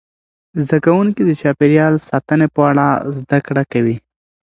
زده کوونکي د چاپیریال ساتنې په اړه زده کړه کوي.